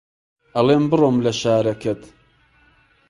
ئەڵێم بڕۆم لە شارەکەت